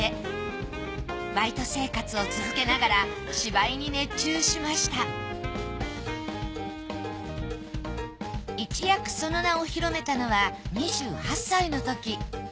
バイト生活を続けながら芝居に熱中しました一躍その名を広めたのは２８歳のとき。